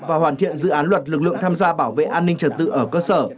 và hoàn thiện dự án luật lực lượng tham gia bảo vệ an ninh trật tự ở cơ sở